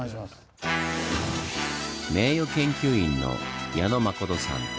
名誉研究員の矢野亮さん。